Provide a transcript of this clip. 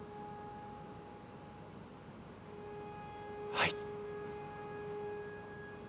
はい。